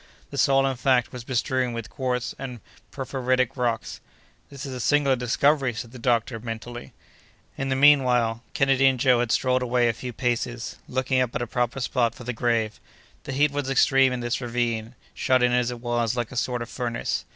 The soil, in fact, was bestrewn with quartz and porphyritic rocks. "This is a singular discovery!" said the doctor, mentally. In the mean while, Kennedy and Joe had strolled away a few paces, looking up a proper spot for the grave. The heat was extreme in this ravine, shut in as it was like a sort of furnace.